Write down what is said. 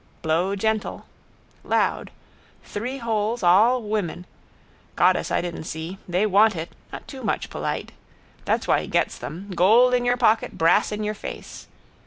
Blow gentle. Loud. Three holes, all women. Goddess I didn't see. They want it. Not too much polite. That's why he gets them. Gold in your pocket, brass in your face.